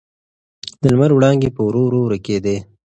د لمر وړانګې په ورو ورو ورکېدې.